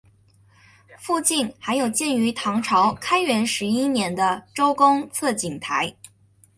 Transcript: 附近还有建于唐朝开元十一年的周公测景台。